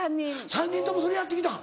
３人ともそれやってきたん？